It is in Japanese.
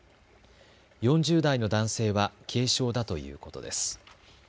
４０代の男性は軽傷だということです。